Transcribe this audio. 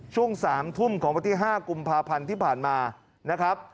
ช่วง๓ทุ่มของวันที่๕กุมภาพันธ์ที่ผ่านมานะครับ